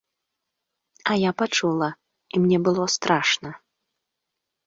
А я пачула, і мне было страшна.